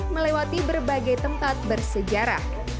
melewati berbagai tempat bersejarah